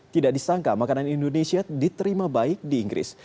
tidak disangka makanan indonesia diterima baik di inggris